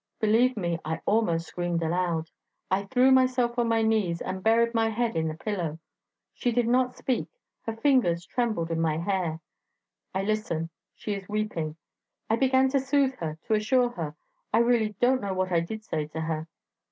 Believe me, I almost screamed aloud... I threw myself on my knees, and buried my head in the pillow. She did not speak; her fingers trembled in my hair; I listen; she is weeping. I began to soothe her, to assure her... I really don't know what I did say to her.